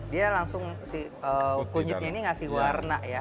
dia langsung si kunyitnya ini ngasih warna ya